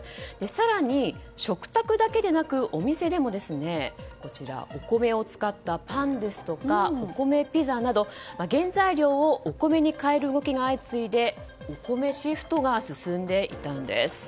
更に食卓だけでなくお店でもお米を使ったパンですとかお米ピザなど原材料をお米に変える動きが相次いでお米シフトが進んでいたんです。